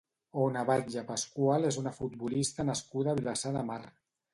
Ona Batlle Pascual és una futbolista nascuda a Vilassar de Mar.